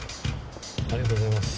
ありがとうございます。